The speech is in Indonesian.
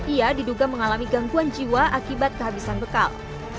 ia diduga mengalami gangguan jiwa akibat kehabisan bekal